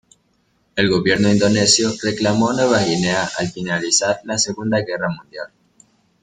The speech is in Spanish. El gobierno indonesio reclamó Nueva Guinea al finalizar la Segunda Guerra Mundial.